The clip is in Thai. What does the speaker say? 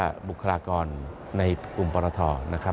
หรือว่าบุคลากรในกลุ่มปรทอนะครับ